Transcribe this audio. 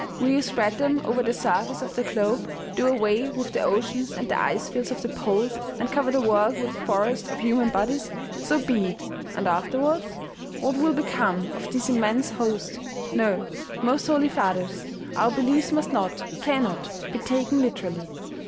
Will you spread them over the surface of the globe, do away with the oceans and the icefields of the poles, and cover the world with a forest of human bodies ? So be it ! And afterwards ? What will become of this immense host? No, most holy fathers, our beliefs must not, cannot, be taken literally.